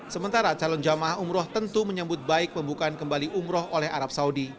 sementara calon jamaah umroh tentu menyambut baik pembukaan kembali umroh oleh arab saudi